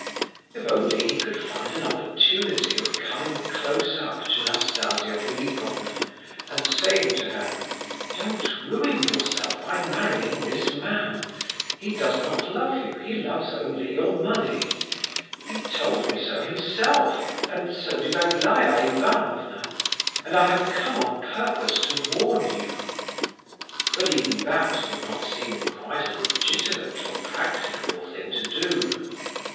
If only he could find an opportunity of coming close up to Nastasia Philipovna and saying to her: "Don't ruin yourself by marrying this man. He does not love you, he only loves your money. He told me so himself, and so did Aglaya Ivanovna, and I have come on purpose to warn you"—but even that did not seem quite a legitimate or practicable thing to do.